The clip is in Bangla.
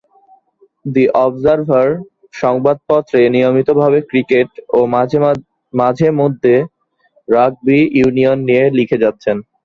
দি অবজারভার সংবাদপত্রে নিয়মিতভাবে ক্রিকেট ও মাঝে-মধ্যে রাগবি ইউনিয়ন নিয়ে লিখে যাচ্ছেন।